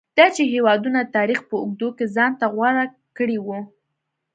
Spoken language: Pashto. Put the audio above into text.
دا چې هېوادونو د تاریخ په اوږدو کې ځان ته غوره کړي وو.